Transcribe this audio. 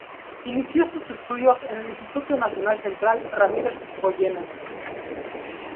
Inició sus estudios en el Instituto Nacional Central Ramírez Goyena.